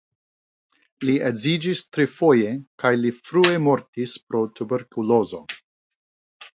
Li edziĝis trifoje kaj li frue mortis pro tuberkulozo.